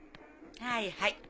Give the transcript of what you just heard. はいはい。